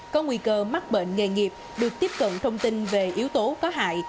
có nguy cơ mắc bệnh nghề nghiệp được tiếp cận thông tin về yếu tố có hại